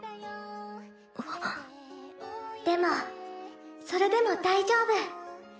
「でも、それでも大丈夫。